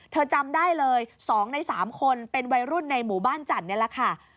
จำได้เลย๒ใน๓คนเป็นวัยรุ่นในหมู่บ้านจันทร์นี่แหละค่ะ